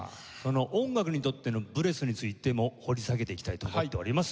音楽にとってのブレスについても掘り下げていきたいと思っております。